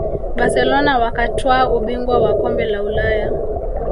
barcelona wakatwaa ubingwa wa kombe la ulaya